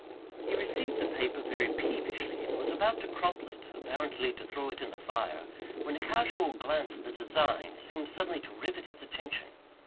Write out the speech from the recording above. He received the paper very peevishly, and was about to crumple it, apparently to throw it in the fire, when a casual glance at the design seemed suddenly to rivet his attention.